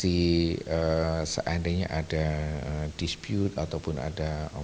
suatu berarti yang evans nya itu sudah n tox ki nya dengan